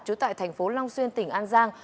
trú tại thành phố long xuyên tỉnh an giang